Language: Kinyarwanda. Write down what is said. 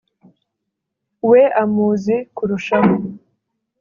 we amuzi kurushaho